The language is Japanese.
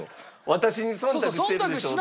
「私に忖度してるでしょ」とか。